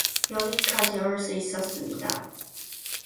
여기까지 올 수 있었습니다